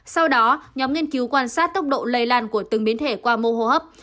sau đó nhóm nghiên cứu quan sát tốc độ lây lan của từng biến thể qua mô hô hấp